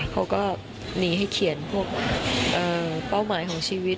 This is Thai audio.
เขาก็หนีให้เขียนพวกเป้าหมายของชีวิต